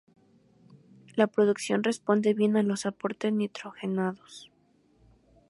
La producción responde bien a los aportes nitrogenados.